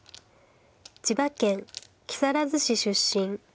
千葉県木更津市出身。